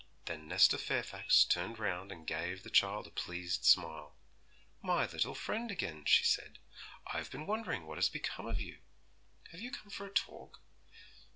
Then Nesta Fairfax turned round and gave the child a pleased smile. 'My little friend again!' she said; 'I have been wondering what has become of you. Have you come for a talk?'